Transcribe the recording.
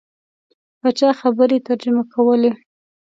پاچا خبرې ترجمه کولې.